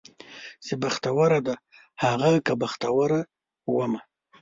چې بختوره ده هغه که بختوره ومه